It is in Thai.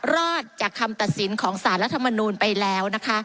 รอดจากคำตัดสินของสารรัฐมนูลไปแล้วนะคะ